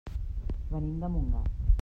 Venim de Montgat.